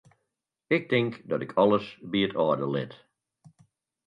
Ik tink dat ik alles by it âlde lit.